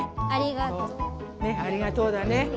ありがとうだね。